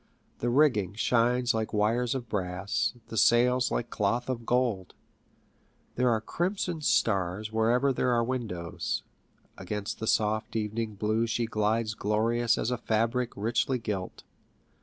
The rigging shines like wires of brass, the sails like cloth of gold ; there are crimson stars wherever there are windows. Against the soft evening blue she glides glorious as a fabric richly gilt.